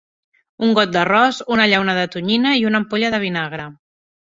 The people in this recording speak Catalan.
Un got d'arròs, una llauna de tonyina i una ampolla de vinagre.